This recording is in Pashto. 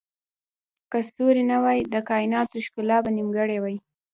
که ستوري نه وای، د کایناتو ښکلا به نیمګړې وای.